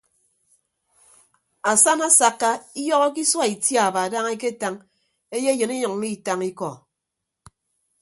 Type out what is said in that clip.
Asana asakka iyọhọke isua itiaba dana eketañ eyeyịn inyʌññọ itañ ikọ.